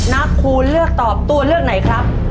คูณเลือกตอบตัวเลือกไหนครับ